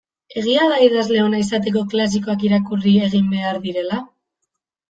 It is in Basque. Egia da idazle ona izateko klasikoak irakurri egin behar direla?